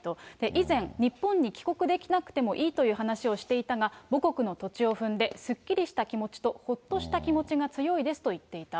以前、日本に帰国できなくてもいいという話をしていたが、母国の土地を踏んで、すっきりした気持ちと、ほっとした気持ちが強いですと言っていた。